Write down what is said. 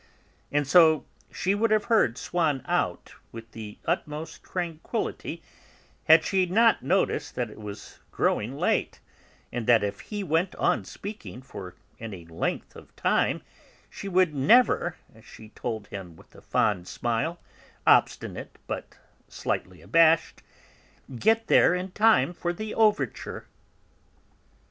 And so, she would have heard Swann out with the utmost tranquillity had she not noticed that it was growing late, and that if he went on speaking for any length of time she would "never" as she told him with a fond smile, obstinate but slightly abashed, "get there in time for the Overture."